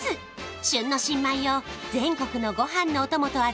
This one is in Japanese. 旬の新米を全国のご飯のお供と味わう